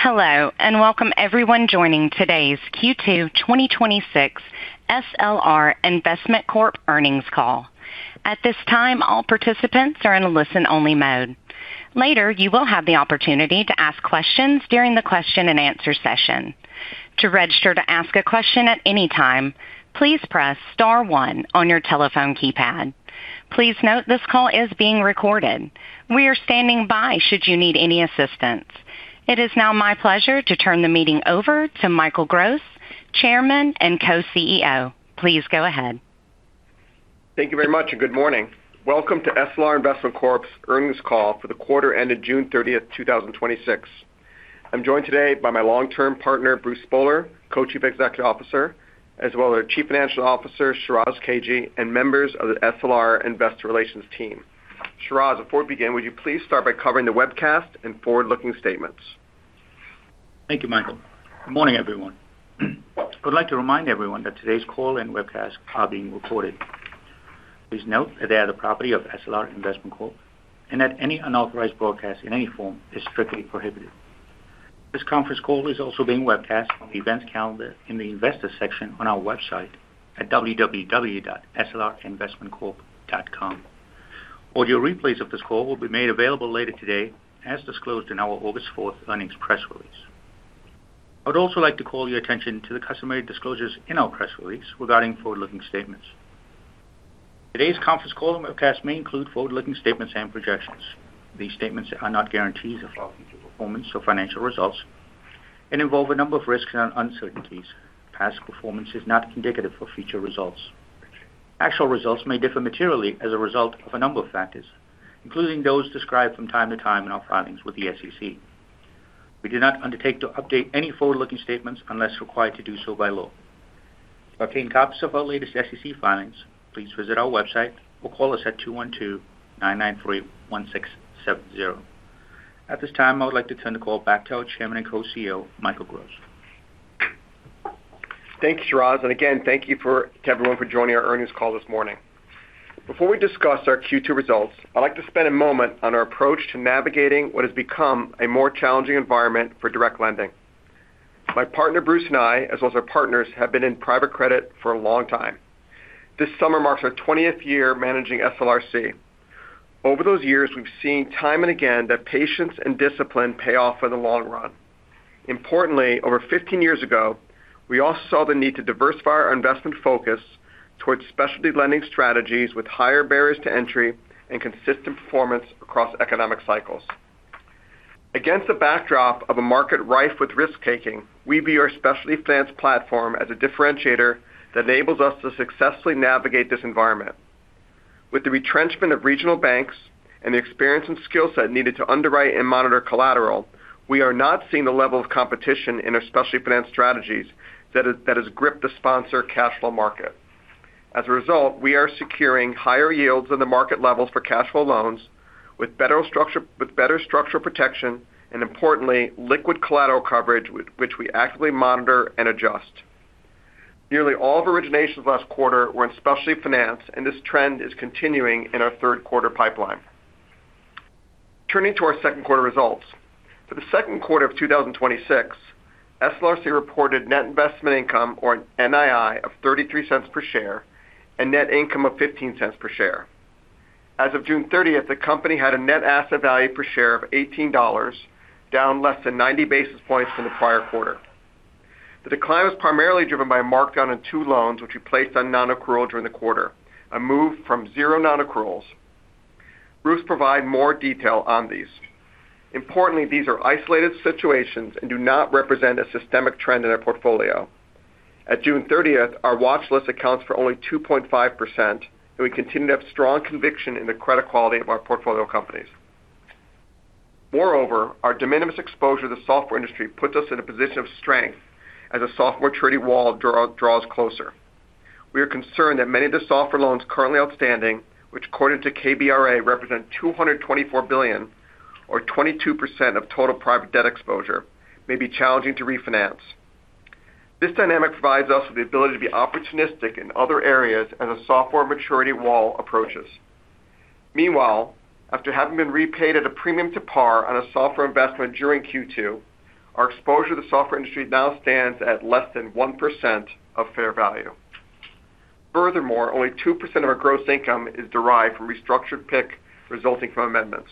Hello, welcome everyone joining today's Q2 2026 SLR Investment Corp earnings call. At this time, all participants are in a listen-only mode. Later, you will have the opportunity to ask questions during the question and answer session. To register to ask a question at any time, please press star one on your telephone keypad. Please note this call is being recorded. We are standing by should you need any assistance. It is now my pleasure to turn the meeting over to Michael Gross, Chairman and Co-Chief Executive Officer. Please go ahead. Thank you very much. Good morning. Welcome to SLR Investment Corp's earnings call for the quarter ended June 30th, 2026. I'm joined today by my long-term partner, Bruce Spohler, Co-Chief Executive Officer, as well as our Chief Financial Officer, Shiraz Kajee, and members of the SLR investor relations team. Shiraz, before we begin, would you please start by covering the webcast and forward-looking statements? Thank you, Michael. Good morning, everyone. I would like to remind everyone that today's call and webcast are being recorded. Please note that they are the property of SLR Investment Corp, that any unauthorized broadcast in any form is strictly prohibited. This conference call is also being webcast on the events calendar in the investor section on our website at www.slrinvestmentcorp.com. Audio replays of this call will be made available later today, as disclosed in our August fourth earnings press release. I would also like to call your attention to the customary disclosures in our press release regarding forward-looking statements. Today's conference call and webcast may include forward-looking statements and projections. These statements are not guarantees of our future performance or financial results and involve a number of risks and uncertainties. Past performance is not indicative of future results. Actual results may differ materially as a result of a number of factors, including those described from time to time in our filings with the SEC. We do not undertake to update any forward-looking statements unless required to do so by law. To obtain copies of our latest SEC filings, please visit our website or call us at 212-993-1670. At this time, I would like to turn the call back to our Chairman and Co-Chief Executive Officer, Michael Gross. Thanks, Shiraz, and again, thank you to everyone for joining our earnings call this morning. Before we discuss our Q2 results, I'd like to spend a moment on our approach to navigating what has become a more challenging environment for direct lending. My partner Bruce and I, as well as our partners, have been in private credit for a long time. This summer marks our 20th year managing SLRC. Over those years, we've seen time and again that patience and discipline pay off in the long run. Importantly, over 15 years ago, we also saw the need to diversify our investment focus towards specialty lending strategies with higher barriers to entry and consistent performance across economic cycles. Against the backdrop of a market rife with risk-taking, we view our specialty finance platform as a differentiator that enables us to successfully navigate this environment. With the retrenchment of regional banks and the experience and skill set needed to underwrite and monitor collateral, we are not seeing the level of competition in our specialty finance strategies that has gripped the sponsor cash flow market. As a result, we are securing higher yields in the market levels for cash flow loans with better structural protection and importantly, liquid collateral coverage, which we actively monitor and adjust. Nearly all of originations last quarter were in specialty finance, and this trend is continuing in our third quarter pipeline. Turning to our second quarter results. For the second quarter of 2026, SLRC reported net investment income or NII of $0.33 per share and net income of $0.15 per share. As of June 30th, the company had a net asset value per share of $18, down less than 90 basis points from the prior quarter. The decline was primarily driven by a markdown on two loans which we placed on non-accrual during the quarter, a move from zero non-accruals. Bruce provide more detail on these. Importantly, these are isolated situations and do not represent a systemic trend in our portfolio. At June 30th, our watch list accounts for only 2.5%, and we continue to have strong conviction in the credit quality of our portfolio companies. Moreover, our de minimis exposure to the software industry puts us in a position of strength as a software maturity wall draws closer. We are concerned that many of the software loans currently outstanding, which according to KBRA represent $224 billion or 22% of total private debt exposure, may be challenging to refinance. This dynamic provides us with the ability to be opportunistic in other areas as a software maturity wall approaches. Meanwhile, after having been repaid at a premium to par on a software investment during Q2, our exposure to the software industry now stands at less than 1% of fair value. Furthermore, only 2% of our gross income is derived from restructured PIK resulting from amendments.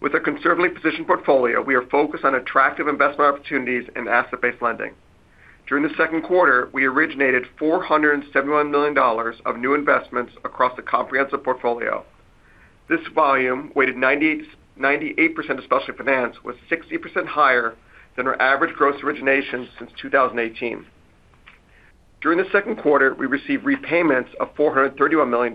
With a conservatively positioned portfolio, we are focused on attractive investment opportunities and asset-based lending. During the second quarter, we originated $471 million of new investments across the comprehensive portfolio. This volume weighted 98% of specialty finance was 60% higher than our average gross originations since 2018. During the second quarter, we received repayments of $431 million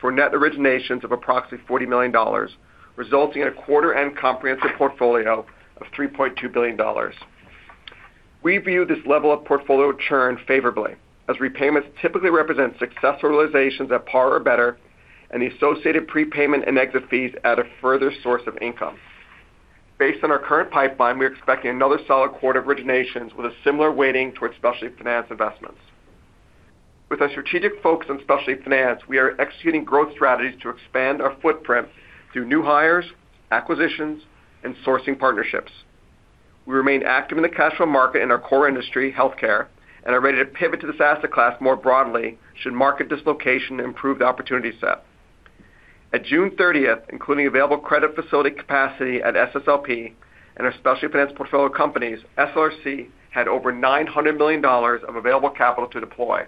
for net originations of approximately $40 million, resulting in a quarter-end comprehensive portfolio of $3.2 billion. We view this level of portfolio churn favorably as repayments typically represent success realizations at par or better, and the associated prepayment and exit fees add a further source of income. Based on our current pipeline, we're expecting another solid quarter of originations with a similar weighting towards specialty finance investments. With our strategic focus on specialty finance, we are executing growth strategies to expand our footprint through new hires, acquisitions, and sourcing partnerships. We remain active in the cash flow market in our core industry, healthcare, and are ready to pivot to this asset class more broadly, should market dislocation improve the opportunity set. At June 30th, including available credit facility capacity at SSLP and our specialty finance portfolio companies, SLRC had over $900 million of available capital to deploy.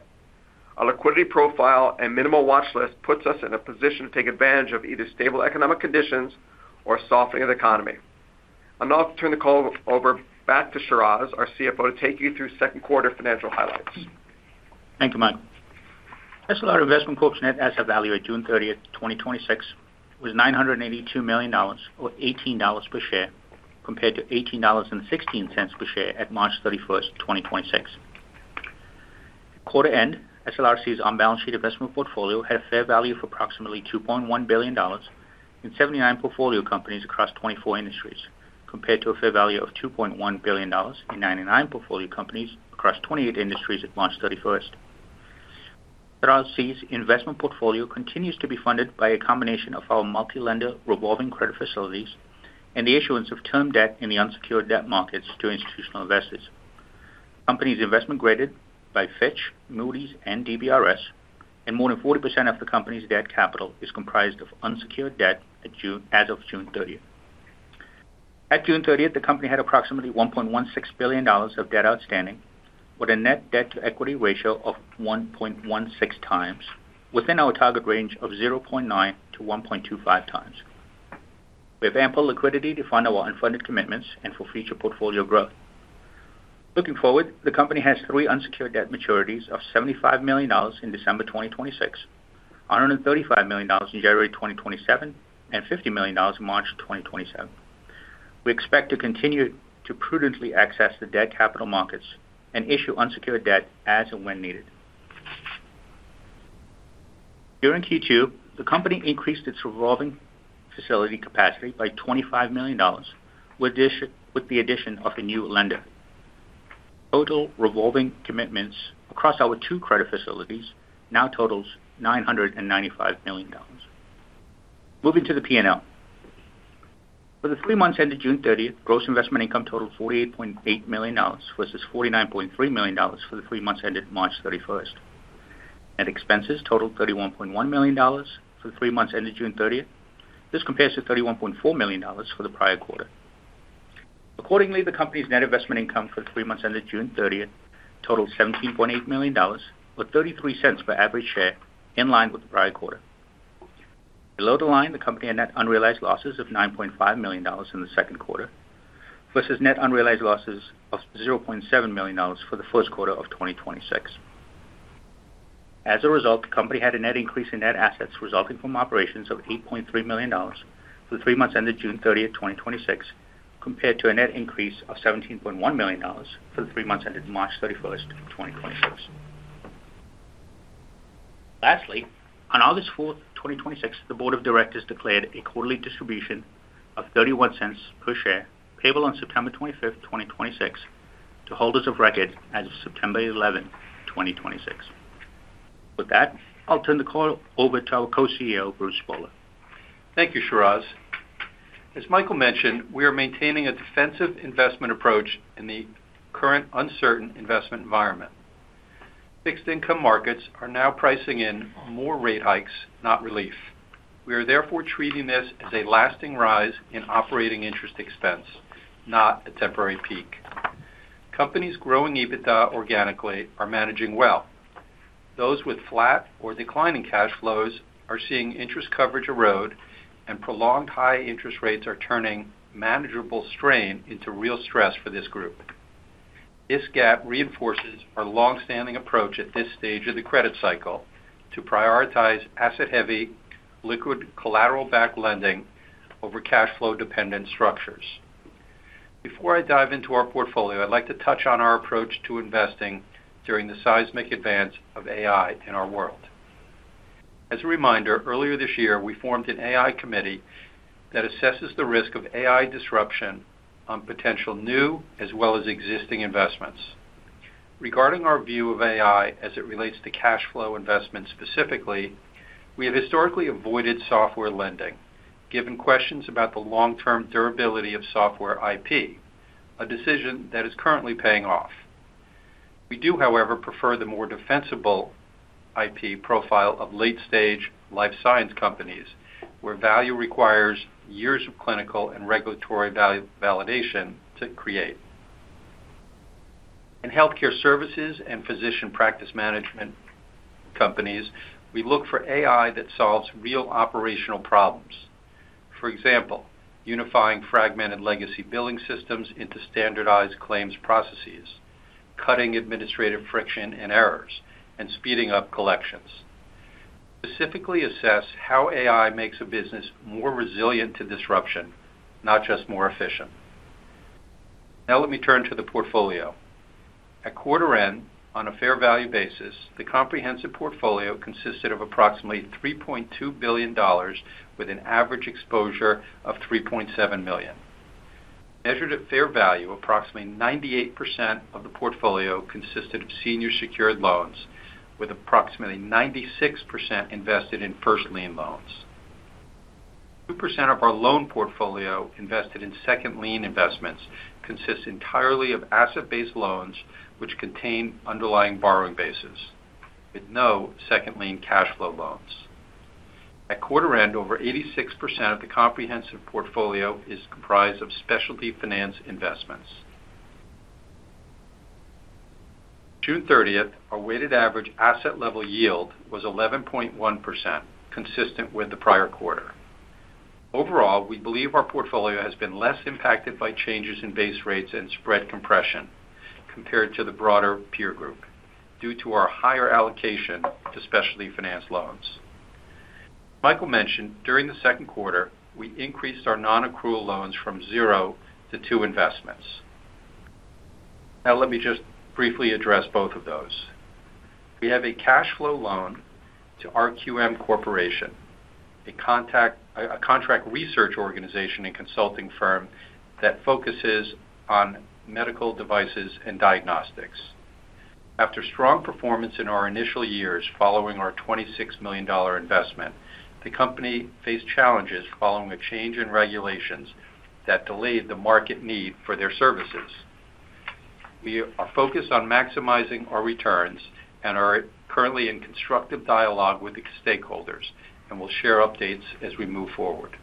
Our liquidity profile and minimal watchlist puts us in a position to take advantage of either stable economic conditions or a softening of the economy. I'll now turn the call over back to Shiraz, our Chief Financial Officer, to take you through second quarter financial highlights. Thank you, Mike. SLR Investment Corp's net asset value at June 30th, 2026 was $982 million, or $18 per share, compared to $18.16 per share at March 31st, 2026. At quarter end, SLRC's on-balance sheet investment portfolio had a fair value of approximately $2.1 billion and 79 portfolio companies across 24 industries, compared to a fair value of $2.1 billion in 99 portfolio companies across 28 industries at March 31st. SLRC's investment portfolio continues to be funded by a combination of our multi-lender revolving credit facilities and the issuance of term debt in the unsecured debt markets to institutional investors. Company's investment-graded by Fitch, Moody's, and DBRS, and more than 40% of the company's debt capital is comprised of unsecured debt as of June 30th. At June 30th, the company had approximately $1.16 billion of debt outstanding, with a net debt-to-equity ratio of 1.16x, within our target range of 0.9x-1.25x. We have ample liquidity to fund our unfunded commitments and for future portfolio growth. Looking forward, the company has three unsecured debt maturities of $75 million in December 2026, $135 million in January 2027, and $50 million in March 2027. We expect to continue to prudently access the debt capital markets and issue unsecured debt as and when needed. During Q2, the company increased its revolving facility capacity by $25 million, with the addition of a new lender. Total revolving commitments across our two credit facilities now totals $995 million. Moving to the P&L. For the three months ended June 30th, gross investment income totaled $48.8 million, versus $49.3 million for the three months ended March 31st. Net expenses totaled $31.1 million for the three months ended June 30th. This compares to $31.4 million for the prior quarter. Accordingly, the company's net investment income for the three months ended June 30th totaled $17.8 million, or $0.33 per average share, in line with the prior quarter. Below the line, the company had net unrealized losses of $9.5 million in the second quarter versus net unrealized losses of $0.7 million for the first quarter of 2026. As a result, the company had a net increase in net assets resulting from operations of $8.3 million for the three months ended June 30th, 2026, compared to a net increase of $17.1 million for the three months ended March 31st, 2026. Lastly, on August 4th, 2026, the board of directors declared a quarterly distribution of $0.31 per share, payable on September 25th, 2026 to holders of record as of September 11th, 2026. With that, I'll turn the call over to our Co-Chief Executive Officer, Bruce Spohler. Thank you, Shiraz. As Michael mentioned, we are maintaining a defensive investment approach in the current uncertain investment environment. Fixed income markets are now pricing in more rate hikes, not relief. We are therefore treating this as a lasting rise in operating interest expense, not a temporary peak. Companies growing EBITDA organically are managing well. Those with flat or declining cash flows are seeing interest coverage erode and prolonged high interest rates are turning manageable strain into real stress for this group. This gap reinforces our longstanding approach at this stage of the credit cycle to prioritize asset-heavy, liquid, collateral-backed lending over cash flow-dependent structures. Before I dive into our portfolio, I'd like to touch on our approach to investing during the seismic advance of AI in our world. As a reminder, earlier this year, we formed an AI committee that assesses the risk of AI disruption on potential new as well as existing investments. Regarding our view of AI as it relates to cash flow investment specifically, we have historically avoided software lending, given questions about the long-term durability of software IP, a decision that is currently paying off. We do, however, prefer the more defensible IP profile of late-stage life science companies, where value requires years of clinical and regulatory validation to create. In healthcare services and physician practice management companies, we look for AI that solves real operational problems. For example, unifying fragmented legacy billing systems into standardized claims processes, cutting administrative friction and errors, and speeding up collections. Specifically assess how AI makes a business more resilient to disruption, not just more efficient. Now let me turn to the portfolio. At quarter end, on a fair value basis, the comprehensive portfolio consisted of approximately $3.2 billion, with an average exposure of $3.7 million. Measured at fair value, approximately 98% of the portfolio consisted of senior secured loans, with approximately 96% invested in first-lien loans. 2% of our loan portfolio invested in second-lien investments consists entirely of asset-based loans, which contain underlying borrowing bases with no second-lien cash flow loans. At quarter end, over 86% of the comprehensive portfolio is comprised of specialty finance investments. June 30th, our weighted average asset level yield was 11.1%, consistent with the prior quarter. Overall, we believe our portfolio has been less impacted by changes in base rates and spread compression compared to the broader peer group due to our higher allocation to specialty finance loans. Michael mentioned during the second quarter, we increased our non-accrual loans from zero to two investments. Now, let me just briefly address both of those. We have a cash flow loan to RQM Corporation, a contract research organization and consulting firm that focuses on medical devices and diagnostics. After strong performance in our initial years following our $26 million investment, the company faced challenges following a change in regulations that delayed the market need for their services. We are focused on maximizing our returns and are currently in constructive dialogue with the stakeholders. We'll share updates as we move forward.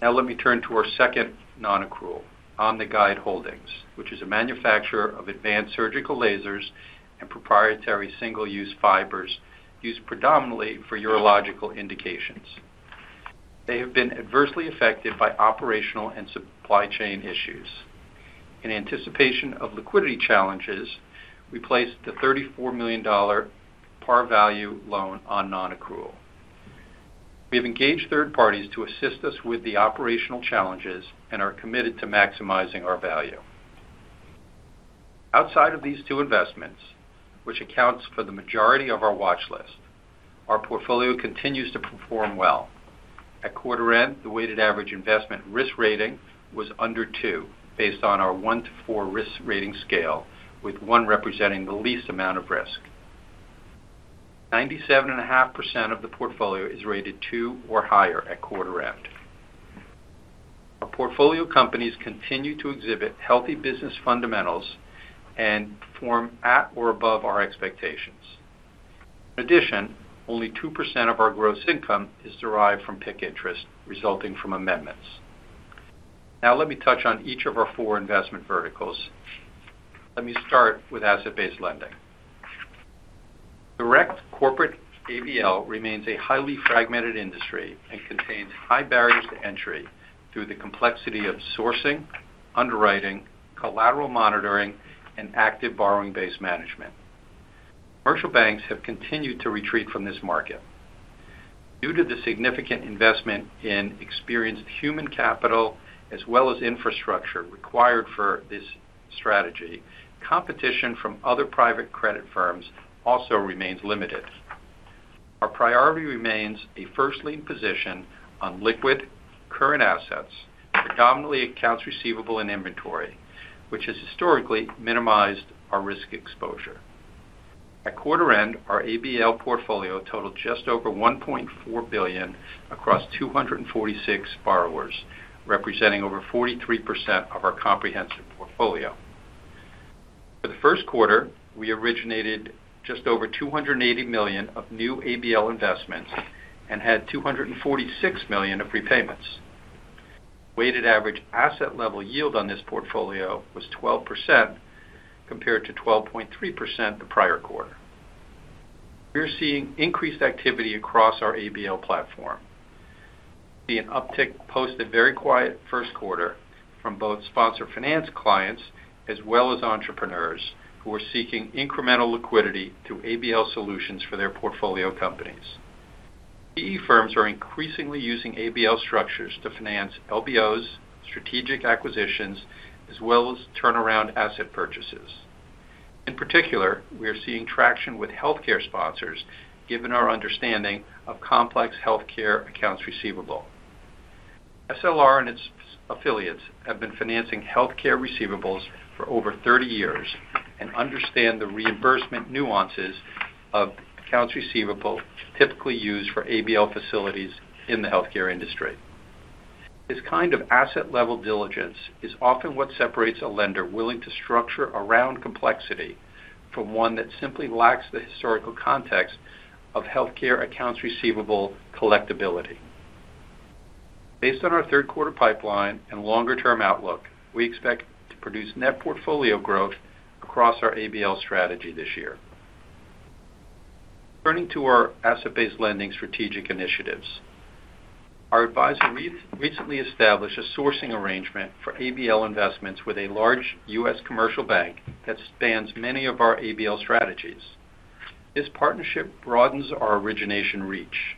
Now let me turn to our second non-accrual, OmniGuide Holdings, which is a manufacturer of advanced surgical lasers and proprietary single-use fibers used predominantly for urological indications. They have been adversely affected by operational and supply chain issues. In anticipation of liquidity challenges, we placed the $34 million par value loan on non-accrual. We have engaged third parties to assist us with the operational challenges and are committed to maximizing our value. Outside of these two investments, which accounts for the majority of our watch list, our portfolio continues to perform well. At quarter end, the weighted average investment risk rating was under two, based on our one to four risk rating scale, with one representing the least amount of risk. 97.5% of the portfolio is rated two or higher at quarter end. Our portfolio companies continue to exhibit healthy business fundamentals and perform at or above our expectations. In addition, only 2% of our gross income is derived from PIK interest resulting from amendments. Now let me touch on each of our four investment verticals. Let me start with asset-based lending. Direct corporate ABL remains a highly fragmented industry and contains high barriers to entry through the complexity of sourcing, underwriting, collateral monitoring, and active borrowing-based management. Commercial banks have continued to retreat from this market. Due to the significant investment in experienced human capital as well as infrastructure required for this strategy, competition from other private credit firms also remains limited. Our priority remains a first-lien position on liquid current assets, predominantly accounts receivable and inventory, which has historically minimized our risk exposure. At quarter end, our ABL portfolio totaled just over $1.4 billion across 246 borrowers, representing over 43% of our comprehensive portfolio. For the first quarter, we originated just over $280 million of new ABL investments and had $246 million of prepayments. Weighted average asset level yield on this portfolio was 12%, compared to 12.3% the prior quarter. We are seeing increased activity across our ABL platform. See an uptick post a very quiet first quarter from both sponsor finance clients as well as entrepreneurs who are seeking incremental liquidity through ABL solutions for their portfolio companies. PE firms are increasingly using ABL structures to finance LBOs, strategic acquisitions, as well as turnaround asset purchases. In particular, we are seeing traction with healthcare sponsors given our understanding of complex healthcare accounts receivable. SLR and its affiliates have been financing healthcare receivables for over 30 years and understand the reimbursement nuances of accounts receivable typically used for ABL facilities in the healthcare industry. This kind of asset-level diligence is often what separates a lender willing to structure around complexity from one that simply lacks the historical context of healthcare accounts receivable collectibility. Based on our third quarter pipeline and longer-term outlook, we expect to produce net portfolio growth across our ABL strategy this year. Turning to our asset-based lending strategic initiatives. Our advisor recently established a sourcing arrangement for ABL investments with a large U.S. commercial bank that spans many of our ABL strategies. This partnership broadens our origination reach.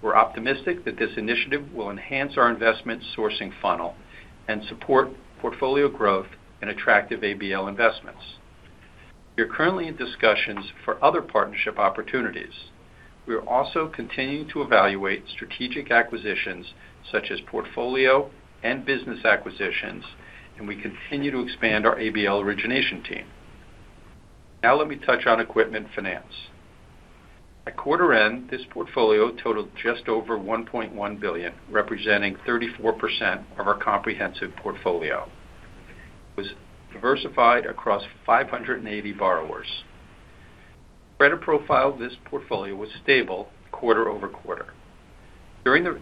We're optimistic that this initiative will enhance our investment sourcing funnel and support portfolio growth and attractive ABL investments. We are currently in discussions for other partnership opportunities. We are also continuing to evaluate strategic acquisitions such as portfolio and business acquisitions, and we continue to expand our ABL origination team. Now let me touch on equipment finance. At quarter end, this portfolio totaled just over $1.1 billion, representing 34% of our comprehensive portfolio. It was diversified across 580 borrowers. Credit profile of this portfolio was stable quarter-over-quarter. During the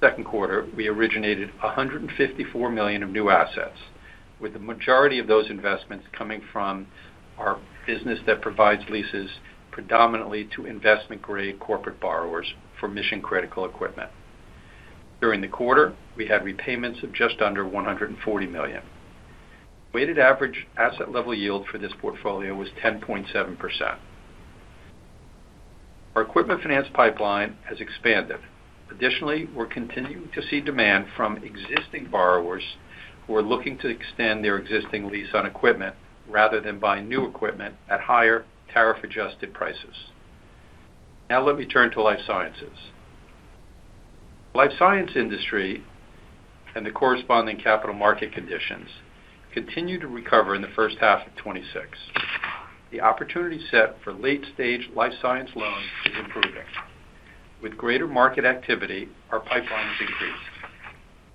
second quarter, we originated $154 million of new assets, with the majority of those investments coming from our business that provides leases predominantly to investment-grade corporate borrowers for mission-critical equipment. During the quarter, we had repayments of just under $140 million. Weighted average asset level yield for this portfolio was 10.7%. Our equipment finance pipeline has expanded. Additionally, we're continuing to see demand from existing borrowers who are looking to extend their existing lease on equipment rather than buy new equipment at higher tariff-adjusted prices. Now let me turn to life sciences. Life science industry and the corresponding capital market conditions continue to recover in the first half of 2026. The opportunity set for late-stage life science loans is improving. With greater market activity, our pipeline has increased.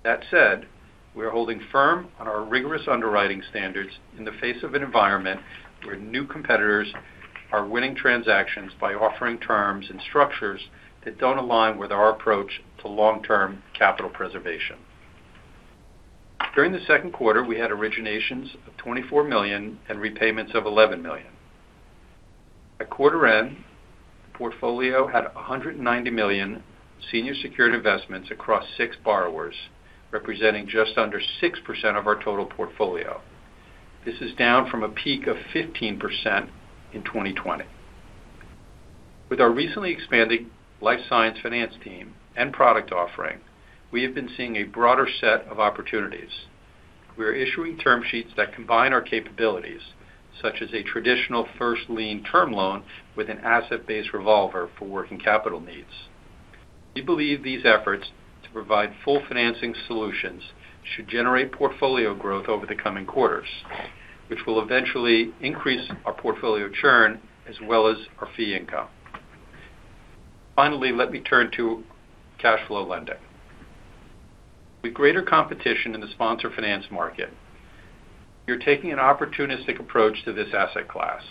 That said, we are holding firm on our rigorous underwriting standards in the face of an environment where new competitors are winning transactions by offering terms and structures that don't align with our approach to long-term capital preservation. During the second quarter, we had originations of $24 million and repayments of $11 million. At quarter end, the portfolio had $190 million senior secured investments across six borrowers, representing just under 6% of our total portfolio. This is down from a peak of 15% in 2020. With our recently expanding life science finance team and product offering, we have been seeing a broader set of opportunities. We are issuing term sheets that combine our capabilities, such as a traditional first-lien term loan with an asset-based revolver for working capital needs. We believe these efforts to provide full financing solutions should generate portfolio growth over the coming quarters, which will eventually increase our portfolio churn as well as our fee income. Finally, let me turn to cash flow lending. With greater competition in the sponsor finance market, we are taking an opportunistic approach to this asset class.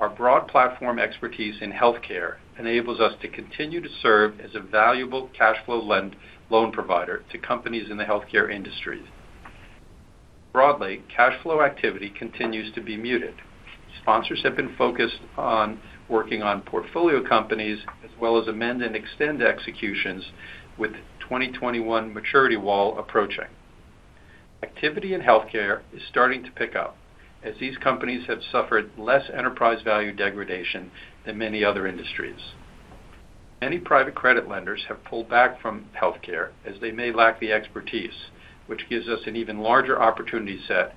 Our broad platform expertise in healthcare enables us to continue to serve as a valuable cash flow loan provider to companies in the healthcare industry. Broadly, cash flow activity continues to be muted. Sponsors have been focused on working on portfolio companies as well as amend and extend executions with the 2021 maturity wall approaching. Activity in healthcare is starting to pick up as these companies have suffered less enterprise value degradation than many other industries. Many private credit lenders have pulled back from healthcare as they may lack the expertise, which gives us an even larger opportunity set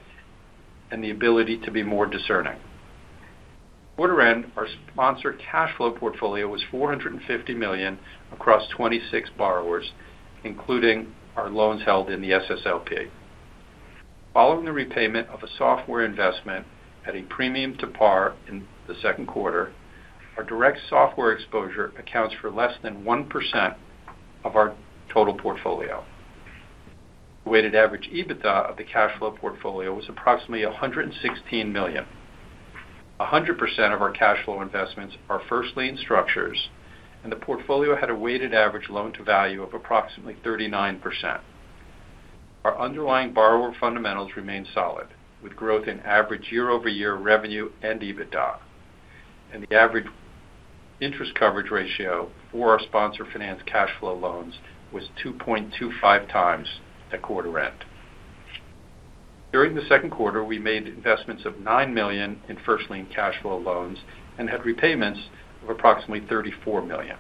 and the ability to be more discerning. At quarter end, our sponsored cash flow portfolio was $450 million across 26 borrowers, including our loans held in the SSLP. Following the repayment of a software investment at a premium to par in the second quarter, our direct software exposure accounts for less than 1% of our total portfolio. Weighted average EBITDA of the cash flow portfolio was approximately $116 million. 100% of our cash flow investments are first-lien structures, and the portfolio had a weighted average loan-to-value of approximately 39%. Our underlying borrower fundamentals remain solid with growth in average year-over-year revenue and EBITDA, and the average interest coverage ratio for our sponsor finance cash flow loans was 2.25x at quarter end. During the second quarter, we made investments of $9 million in first-lien cash flow loans and had repayments of approximately $34 million.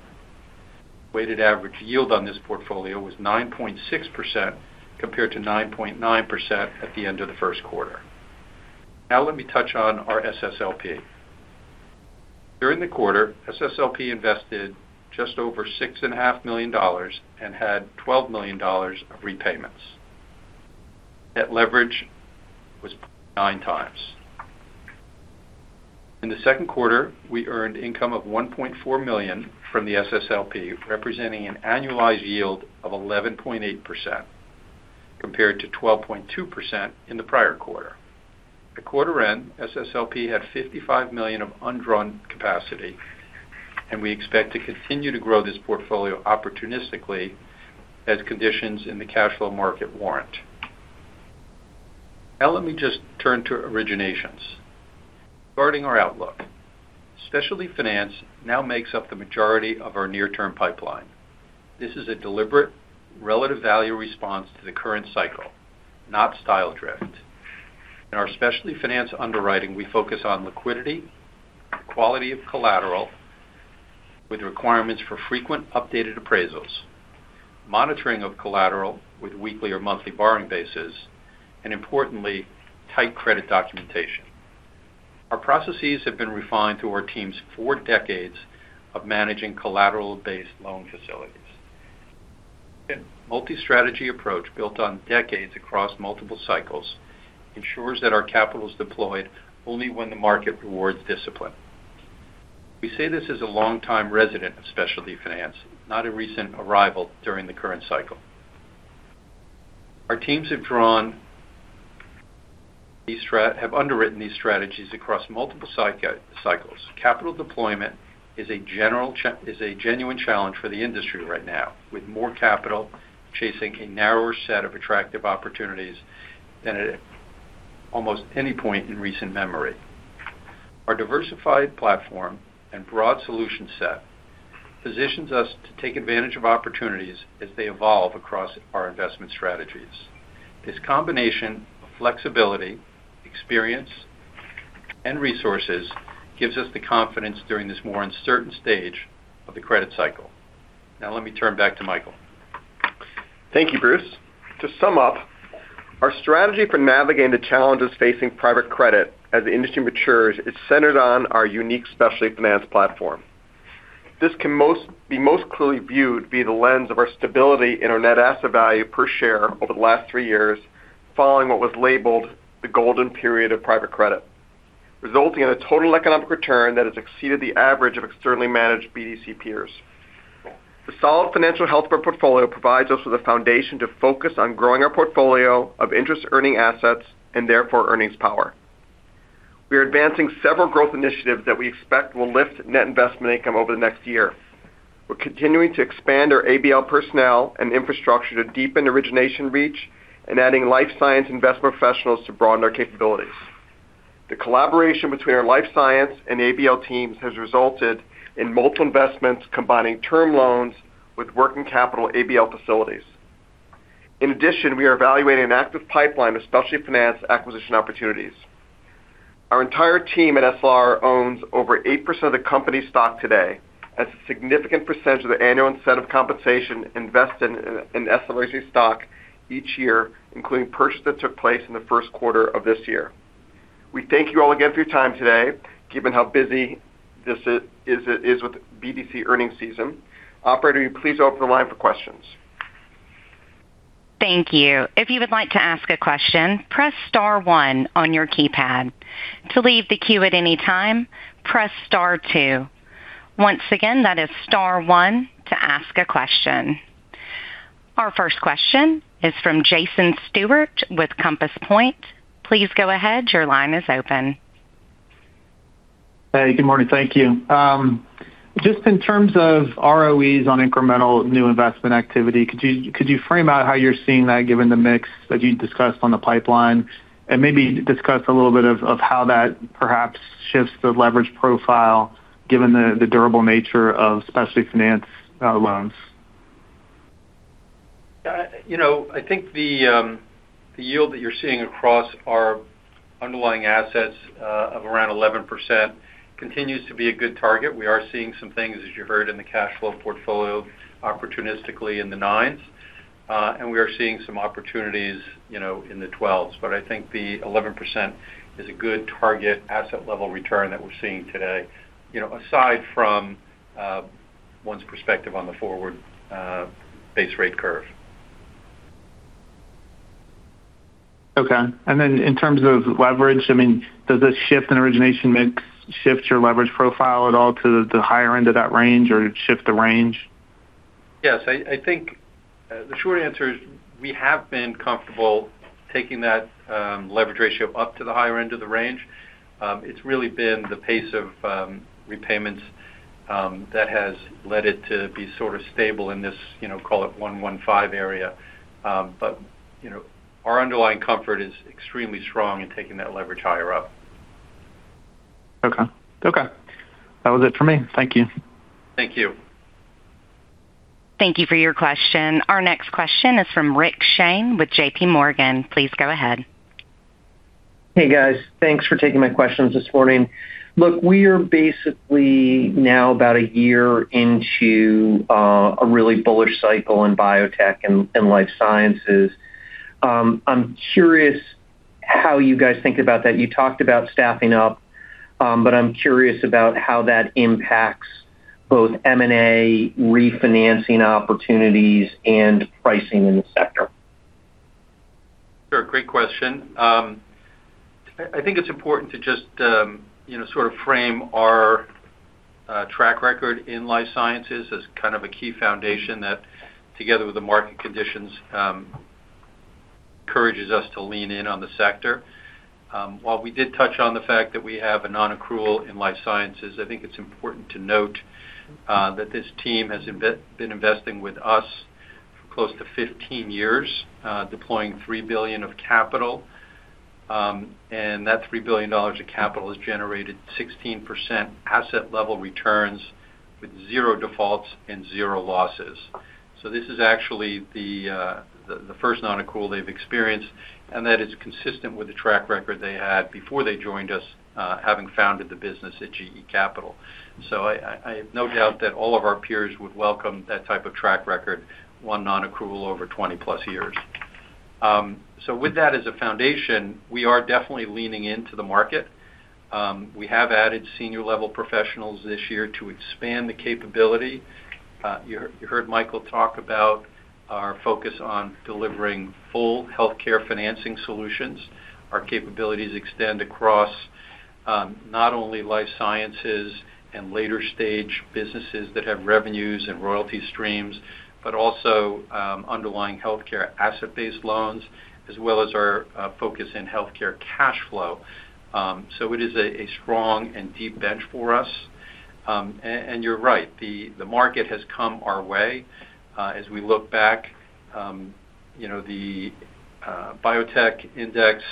Weighted average yield on this portfolio was 9.6%, compared to 9.9% at the end of the first quarter. Let me touch on our SSLP. During the quarter, SSLP invested just over $6.5 million and had $12 million of repayments. Net leverage was 9x. In the second quarter, we earned income of $1.4 million from the SSLP, representing an annualized yield of 11.8%, compared to 12.2% in the prior quarter. At quarter end, SSLP had $55 million of undrawn capacity, and we expect to continue to grow this portfolio opportunistically as conditions in the cash flow market warrant. Let me just turn to originations. Starting our outlook. Specialty finance now makes up the majority of our near-term pipeline. This is a deliberate relative value response to the current cycle, not style drift. In our specialty finance underwriting, we focus on liquidity, quality of collateral with requirements for frequent updated appraisals, monitoring of collateral with weekly or monthly borrowing bases, and importantly, tight credit documentation. Our processes have been refined through our team's four decades of managing collateral-based loan facilities. A multi-strategy approach built on decades across multiple cycles ensures that our capital is deployed only when the market rewards discipline. We say this as a longtime resident of specialty finance, not a recent arrival during the current cycle. Our teams have underwritten these strategies across multiple cycles. Capital deployment is a genuine challenge for the industry right now, with more capital chasing a narrower set of attractive opportunities than at almost any point in recent memory. Our diversified platform and broad solution set positions us to take advantage of opportunities as they evolve across our investment strategies. This combination of flexibility, experience, and resources gives us the confidence during this more uncertain stage of the credit cycle. Let me turn back to Michael. Thank you, Bruce. To sum up, our strategy for navigating the challenges facing private credit as the industry matures is centered on our unique specialty finance platform. This can be most clearly viewed via the lens of our stability in our net asset value per share over the last three years, following what was labeled the golden period of private credit, resulting in a total economic return that has exceeded the average of externally managed BDC peers. The solid financial health of our portfolio provides us with a foundation to focus on growing our portfolio of interest-earning assets and therefore earnings power. We are advancing several growth initiatives that we expect will lift net investment income over the next year. We're continuing to expand our ABL personnel and infrastructure to deepen origination reach and adding life science investment professionals to broaden our capabilities. The collaboration between our life science and ABL teams has resulted in multiple investments combining term loans with working capital ABL facilities. In addition, we are evaluating an active pipeline of specialty finance acquisition opportunities. Our entire team at SLR owns over 8% of the company's stock today. That's a significant percentage of the annual incentive compensation invested in SLRC stock each year, including purchase that took place in the first quarter of this year. We thank you all again for your time today, given how busy this is with BDC earnings season. Operator, you please open the line for questions. Thank you. If you would like to ask a question, press star one on your keypad. To leave the queue at any time, press star two. Once again, that is star one to ask a question. Our first question is from Jason Stewart with Compass Point. Please go ahead. Your line is open. Hey, good morning. Thank you. Just in terms of ROEs on incremental new investment activity, could you frame out how you're seeing that given the mix that you discussed on the pipeline? Maybe discuss a little bit of how that perhaps shifts the leverage profile given the durable nature of specialty finance loans? I think the yield that you're seeing across our underlying assets of around 11% continues to be a good target. We are seeing some things, as you heard in the cash flow portfolio, opportunistically in the nines. We are seeing some opportunities in the twelves. I think the 11% is a good target asset level return that we're seeing today, aside from one's perspective on the forward base rate curve. Okay. In terms of leverage, does the shift in origination mix shift your leverage profile at all to the higher end of that range, or shift the range? Yes, I think the short answer is we have been comfortable taking that leverage ratio up to the higher end of the range. It's really been the pace of repayments that has led it to be sort of stable in this, call it 115 area. Our underlying comfort is extremely strong in taking that leverage higher up. Okay. That was it for me. Thank you. Thank you. Thank you for your question. Our next question is from Rick Shane with J.P. Morgan. Please go ahead. Hey, guys. Thanks for taking my questions this morning. We are basically now about a year into a really bullish cycle in biotech and life sciences. I'm curious how you guys think about that. You talked about staffing up, but I'm curious about how that impacts both M&A refinancing opportunities and pricing in the sector. Sure, great question. I think it's important to just sort of frame our track record in life sciences as kind of a key foundation that, together with the market conditions, encourages us to lean in on the sector. While we did touch on the fact that we have a non-accrual in life sciences, I think it's important to note that this team has been investing with us for close to 15 years, deploying $3 billion of capital. That $3 billion of capital has generated 16% asset level returns with zero defaults and zero losses. This is actually the first non-accrual they've experienced, and that is consistent with the track record they had before they joined us, having founded the business at GE Capital. I have no doubt that all of our peers would welcome that type of track record. One non-accrual over 20+ years. With that as a foundation, we are definitely leaning into the market. We have added senior-level professionals this year to expand the capability. You heard Michael talk about our focus on delivering full healthcare financing solutions. Our capabilities extend across not only life sciences and later-stage businesses that have revenues and royalty streams, but also underlying healthcare asset-based loans, as well as our focus in healthcare cash flow. It is a strong and deep bench for us. You're right. The market has come our way. As we look back, the biotech index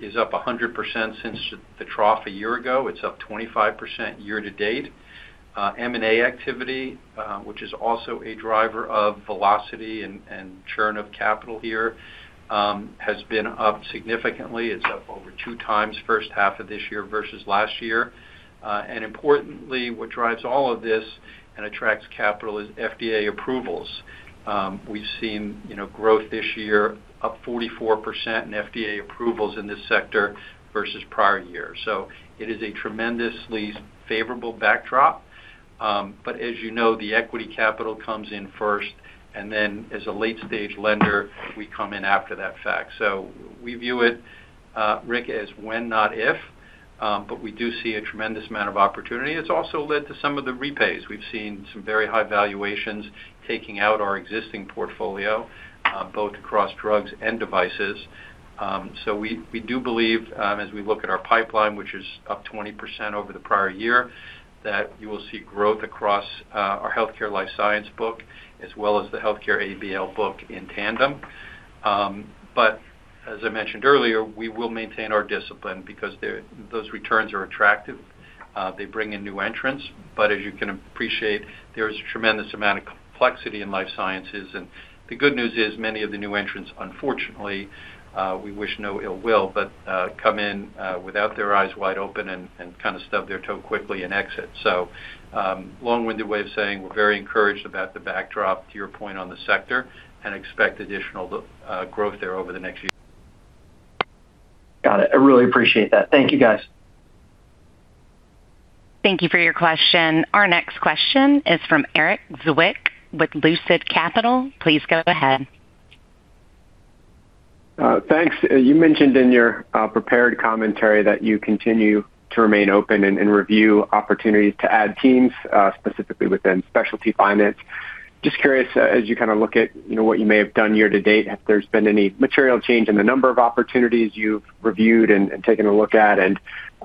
is up 100% since the trough a year ago. It's up 25% year-to-date. M&A activity, which is also a driver of velocity and churn of capital here, has been up significantly. It's up over two times first half of this year versus last year. Importantly, what drives all of this and attracts capital is FDA approvals. We've seen growth this year up 44% in FDA approvals in this sector versus prior years. It is a tremendously favorable backdrop. As you know, the equity capital comes in first, and then as a late-stage lender, we come in after that fact. We view it, Rick, as when, not if. We do see a tremendous amount of opportunity. It's also led to some of the repays. We've seen some very high valuations taking out our existing portfolio, both across drugs and devices. We do believe as we look at our pipeline, which is up 20% over the prior year, that you will see growth across our healthcare life science book as well as the healthcare ABL book in tandem. As I mentioned earlier, we will maintain our discipline because those returns are attractive. They bring in new entrants. As you can appreciate, there's a tremendous amount of complexity in life sciences. The good news is many of the new entrants, unfortunately, we wish no ill will, but come in without their eyes wide open and kind of stub their toe quickly and exit. Long-winded way of saying we're very encouraged about the backdrop to your point on the sector and expect additional growth there over the next year. Got it. I really appreciate that. Thank you, guys. Thank you for your question. Our next question is from Erik Zwick with Lucid Capital. Please go ahead. Thanks. You mentioned in your prepared commentary that you continue to remain open and review opportunities to add teams, specifically within specialty finance. Just curious, as you kind of look at what you may have done year-to-date, if there's been any material change in the number of opportunities you've reviewed and taken a look at.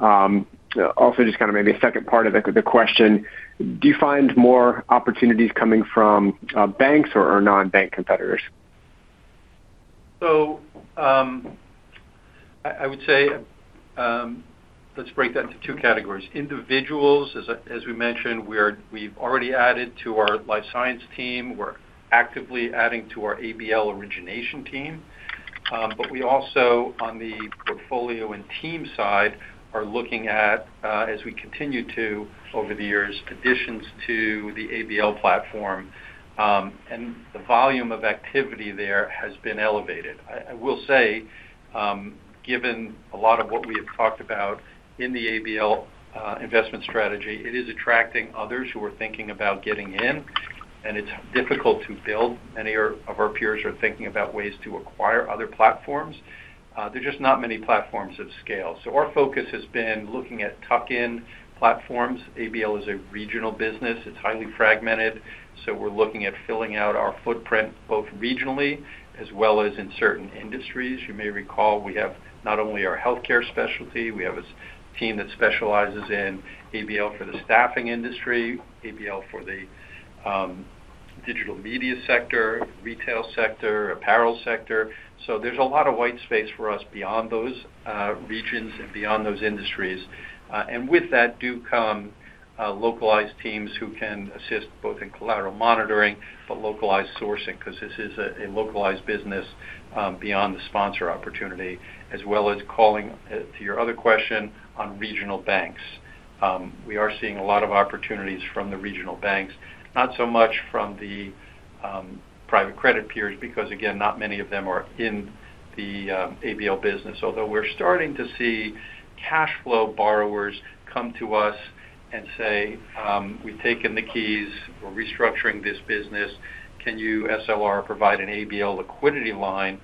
Also just kind of maybe a second part of the question. Do you find more opportunities coming from banks or non-bank competitors? I would say let's break that into two categories. Individuals, as we mentioned, we've already added to our life science team. We're actively adding to our ABL origination team. We also, on the portfolio and team side, are looking at, as we continue to over the years, additions to the ABL platform. The volume of activity there has been elevated. I will say, given a lot of what we have talked about in the ABL investment strategy, it is attracting others who are thinking about getting in, and it's difficult to build. Many of our peers are thinking about ways to acquire other platforms. There are just not many platforms of scale. Our focus has been looking at tuck-in platforms. ABL is a regional business. It's highly fragmented. We're looking at filling out our footprint both regionally as well as in certain industries. You may recall we have not only our healthcare specialty, we have a team that specializes in ABL for the staffing industry, ABL for the digital media sector, retail sector, apparel sector. There's a lot of white space for us beyond those regions and beyond those industries. With that do come localized teams who can assist both in collateral monitoring but localized sourcing because this is a localized business beyond the sponsor opportunity. As well as calling to your other question on regional banks. We are seeing a lot of opportunities from the regional banks. Not so much from the private credit peers because again, not many of them are in the ABL business. Although we're starting to see cash flow borrowers come to us and say, "We've taken the keys. We're restructuring this business. Can you, SLR, provide an ABL liquidity line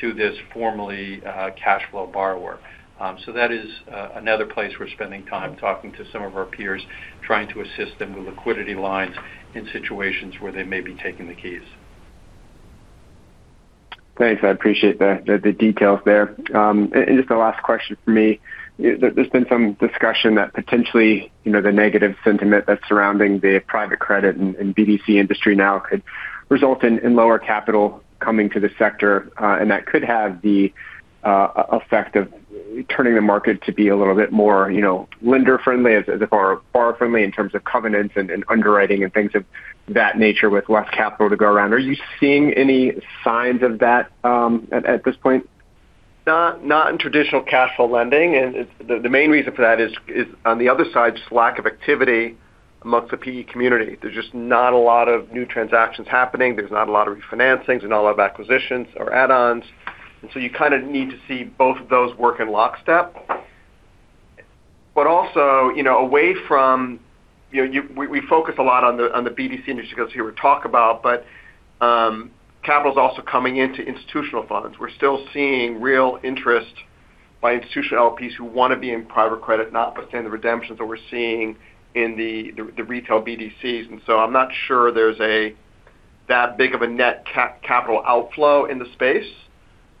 to this formerly cash flow borrower?" That is another place we're spending time talking to some of our peers, trying to assist them with liquidity lines in situations where they may be taking the keys. Thanks. I appreciate the details there. Just the last question for me. There's been some discussion that potentially the negative sentiment that's surrounding the private credit and BDC industry now could result in lower capital coming to the sector, and that could have the effect of turning the market to be a little bit more lender-friendly as it is borrower-friendly in terms of covenants and underwriting and things of that nature with less capital to go around. Are you seeing any signs of that at this point? Not in traditional cash flow lending. The main reason for that is, on the other side, just lack of activity amongst the PE community. There's just not a lot of new transactions happening. There's not a lot of refinancings. There's not a lot of acquisitions or add-ons. You kind of need to see both of those work in lockstep. Also, we focus a lot on the BDC industry because you hear it talked about, but capital's also coming into institutional funds. We're still seeing real interest by institutional LPs who want to be in private credit, not withstand the redemptions that we're seeing in the retail BDCs. I'm not sure there's that big of a net capital outflow in the space.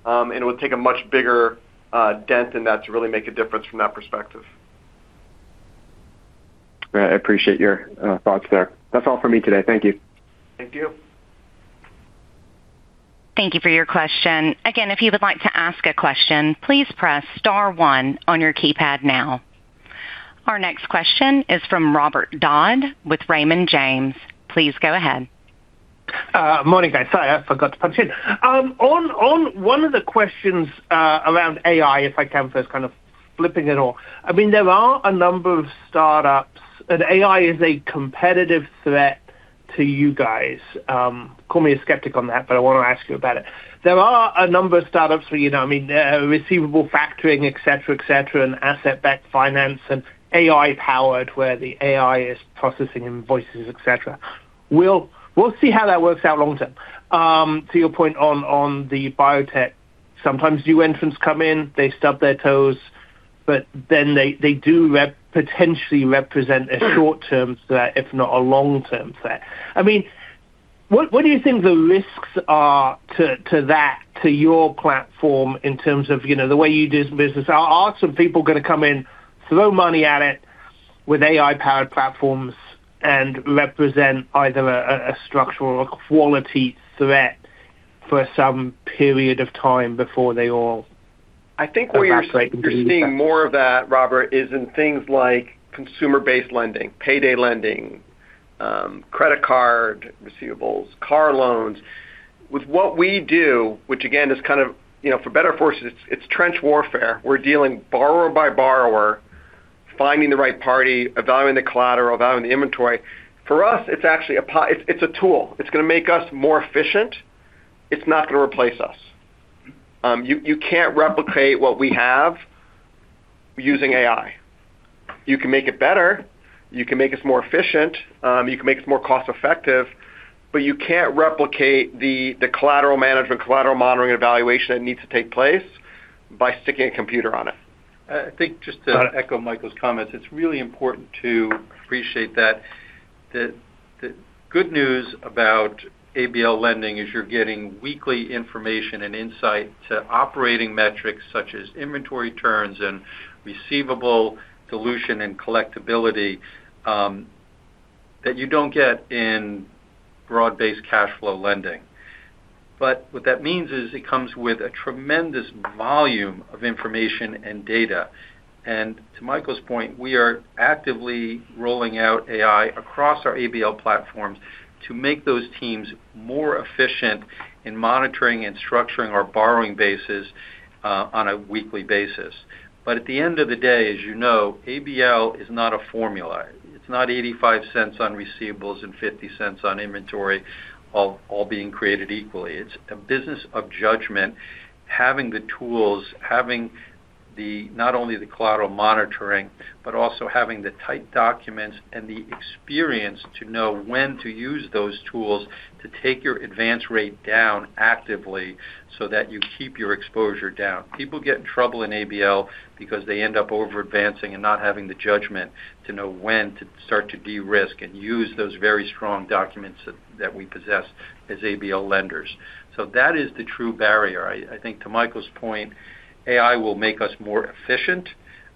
It would take a much bigger dent in that to really make a difference from that perspective. Great. I appreciate your thoughts there. That's all for me today. Thank you. Thank you. Thank you for your question. Again, if you would like to ask a question, please press star one on your keypad now. Our next question is from Robert Dodd with Raymond James. Please go ahead. Morning, guys. Sorry, I forgot to punch in. On one of the questions around AI, if I can first kind of flipping it all. There are a number of startups, and AI is a competitive threat to you guys. Call me a skeptic on that, but I want to ask you about it. There are a number of startups, receivable factoring, et cetera, et cetera, and asset-backed finance and AI-powered, where the AI is processing invoices, et cetera. We'll see how that works out long-term. To your point on the biotech, sometimes new entrants come in, they stub their toes, but then they do potentially represent a short-term threat, if not a long-term threat. What do you think the risks are to that, to your platform in terms of the way you do business? Are some people going to come in, throw money at it with AI-powered platforms and represent either a structural or quality threat for some period of time before they all evaporate? I think where you're seeing more of that, Robert, is in things like consumer-based lending, payday lending, credit card receivables, car loans. With what we do, which again, for better or for worse, it's trench warfare. We're dealing borrower by borrower, finding the right party, evaluating the collateral, evaluating the inventory. For us, it's a tool. It's going to make us more efficient. It's not going to replace us. You can't replicate what we have using AI. You can make it better. You can make us more efficient. You can make us more cost-effective. You can't replicate the collateral management, collateral monitoring, and evaluation that needs to take place by sticking a computer on it. I think just to echo Michael's comments, it's really important to appreciate that the good news about ABL lending is you're getting weekly information and insight to operating metrics such as inventory turns and receivable dilution and collectibility, that you don't get in broad-based cash flow lending. What that means is it comes with a tremendous volume of information and data. To Michael's point, we are actively rolling out AI across our ABL platforms to make those teams more efficient in monitoring and structuring our borrowing bases on a weekly basis. At the end of the day, as you know, ABL is not a formula. It's not $0.85 on receivables and $0.50 on inventory all being created equally. It's a business of judgment, having the tools, having not only the collateral monitoring, but also having the tight documents and the experience to know when to use those tools to take your advance rate down actively so that you keep your exposure down. People get in trouble in ABL because they end up over-advancing and not having the judgment to know when to start to de-risk and use those very strong documents that we possess as ABL lenders. That is the true barrier. I think to Michael's point, AI will make us more efficient.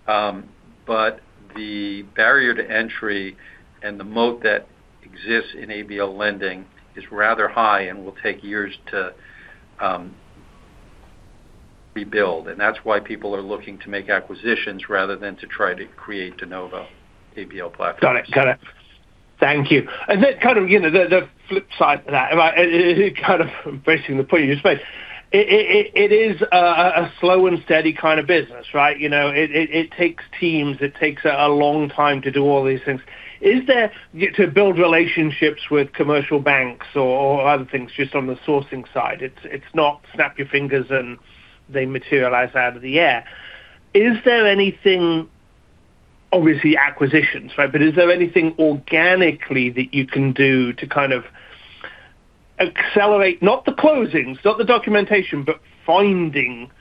The barrier to entry and the moat that exists in ABL lending is rather high and will take years to rebuild. That's why people are looking to make acquisitions rather than to try to create de novo ABL platforms. Got it. Thank you. Then kind of the flip side to that, kind of embracing the point you just made. It is a slow and steady kind of business, right? It takes teams. It takes a long time to do all these things. To build relationships with commercial banks or other things just on the sourcing side. It's not snap your fingers and they materialize out of the air. Obviously, acquisitions, right? Is there anything organically that you can do to kind of accelerate, not the closings, not the documentation, but finding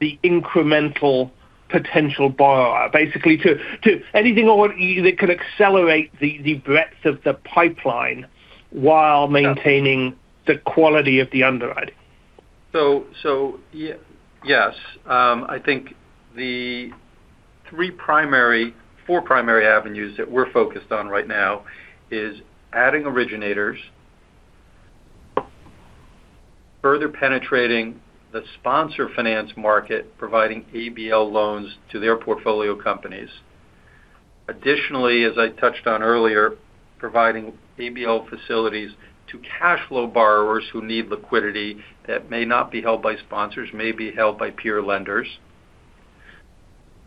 the incremental potential borrower. Basically, anything that could accelerate the breadth of the pipeline while maintaining the quality of the underwriting. Yes. I think the four primary avenues that we're focused on right now is adding originators. Further penetrating the sponsor finance market, providing ABL loans to their portfolio companies. Additionally, as I touched on earlier, providing ABL facilities to cash flow borrowers who need liquidity that may not be held by sponsors, may be held by peer lenders.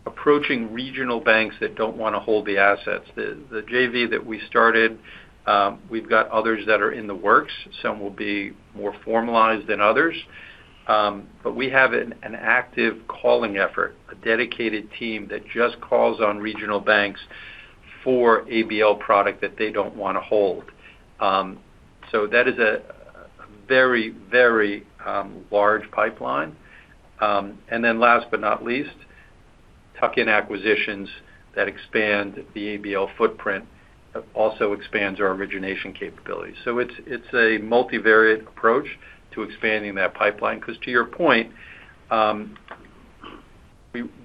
Approaching regional banks that don't want to hold the assets. The JV that we started, we've got others that are in the works. Some will be more formalized than others. We have an active calling effort, a dedicated team that just calls on regional banks for ABL product that they don't want to hold. That is a very large pipeline. Last but not least, tuck-in acquisitions that expand the ABL footprint also expands our origination capabilities. It's a multivariate approach to expanding that pipeline because to your point,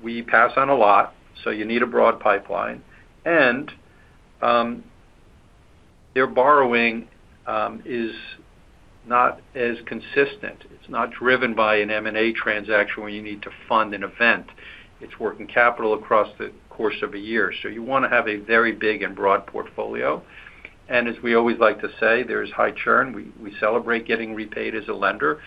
we pass on a lot, so you need a broad pipeline, and their borrowing is not as consistent. It's not driven by an M&A transaction where you need to fund an event. It's working capital across the course of a year. You want to have a very big and broad portfolio. As we always like to say, there is high churn. We celebrate getting repaid as a lender.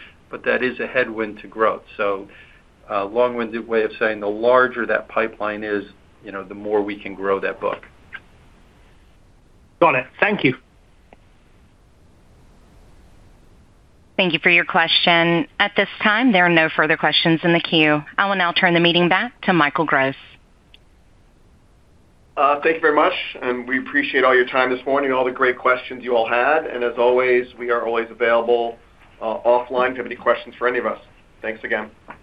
That is a headwind to growth. A long-winded way of saying the larger that pipeline is, the more we can grow that book. Got it. Thank you. Thank you for your question. At this time, there are no further questions in the queue. I will now turn the meeting back to Michael Gross. Thank you very much, and we appreciate all your time this morning, all the great questions you all had. As always, we are always available offline if you have any questions for any of us. Thanks again.